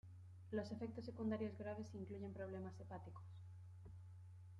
Los efectos secundarios graves incluyen problemas hepáticos.